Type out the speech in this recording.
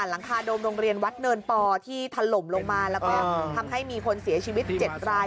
หลังคาโดมโรงเรียนวัดเนินปอที่ถล่มลงมาแล้วก็ทำให้มีคนเสียชีวิต๗ราย